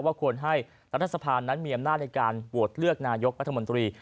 ควรให้รัฐสภานั้นมีอำนาจในการโหวตเลือกนายกรัฐมนตรี